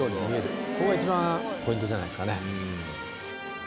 ここが一番ポイントじゃないですかね。